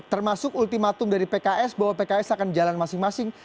termasuk ultimatum dari pks bahwa pks akan jalan masing masing